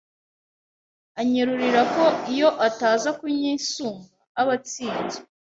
anyerurira ko iyo ataza kunyisunga aba atsinzwe